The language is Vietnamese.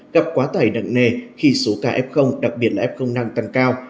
gặp quá tải nặng nề khi số ca f đặc biệt là f năm tăng cao